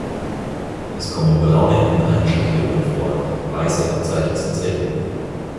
Es kommen Braune in allen Schattierungen vor, weiße Abzeichen sind selten.